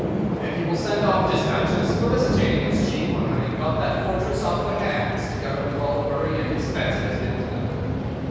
And he will send off dispatches felicitating his chief on having got that fortress off their hands, together with all the worry and expense it has been to them.